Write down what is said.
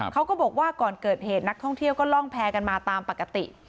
เขาก็บอกว่าก่อนเกิดเหตุนักท่องเที่ยวก็ล่องแพร่กันมาตามปกติ